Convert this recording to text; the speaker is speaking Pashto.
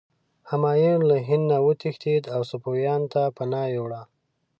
همایون له هند نه وتښتېد او صفویانو ته پناه یووړه.